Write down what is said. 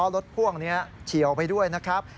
รถพ่วงนี้เฉียวไปด้วยนะครับ